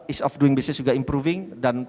ease of doing business juga improving dan